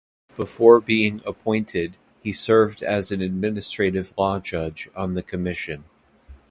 Before being appointed, he served as an Administrative Law Judge on the Commission.